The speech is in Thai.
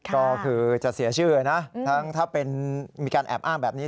ก็คือจะเสียชื่อนะถ้ามีการแอบอ้างแบบนี้